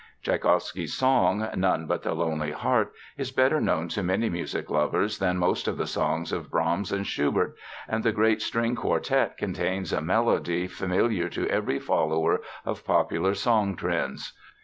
Tschaikowsky's song, None But the Lonely Heart, is better known to many music lovers than most of the songs of Brahms and Schubert, and the great String Quartet contains a melody familiar to every follower of popular song trends.